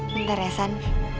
bentar ya san